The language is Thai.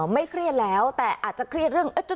ไม่เครียดแล้วแต่อาจจะเครียดเรื่อง